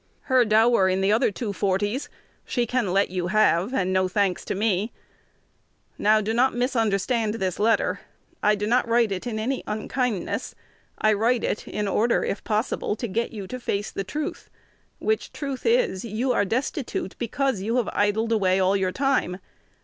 Her dower in the other two forties she can let you have, and no thanks to me. Now, do not misunderstand this letter: I do not write it in any unkindness. I write it in order, if possible, to get you to face the truth, which truth is, you are destitute because you have idled away all your time.